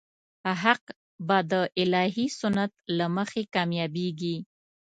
حق به د الهي سنت له مخې کامیابېږي.